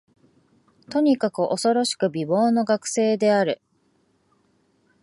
とにかく、おそろしく美貌の学生である